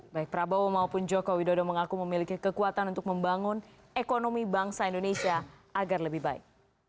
baik prabowo maupun joko widodo mengaku memiliki kekuatan untuk membangun ekonomi bangsa indonesia agar lebih baik